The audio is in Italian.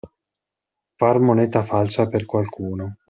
Far moneta falsa per qualcuno.